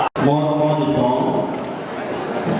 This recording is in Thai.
สวัสดีครับ